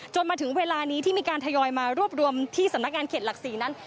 มาถึงเวลานี้ที่มีการทยอยมารวบรวมที่สำนักงานเขตหลัก๔นั้น